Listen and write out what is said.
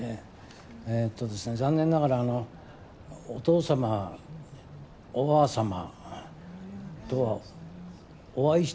えーっとですね残念ながらお父様おばあ様とはお会いして。